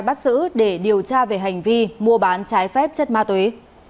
bắt xử để điều tra về hành vi mua bán trái phép chất ma túy